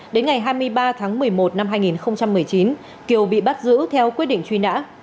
đến ngày hai mươi ba tháng một mươi một năm hai nghìn một mươi chín kiều bị bắt giữ theo quyết định truy nã